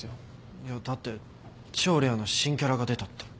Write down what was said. いやだって超レアな新キャラが出たって。